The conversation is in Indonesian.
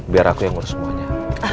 biar aku yang ngurus semuanya